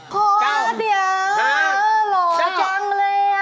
ขอเดี๋ยวหล่อจังเลย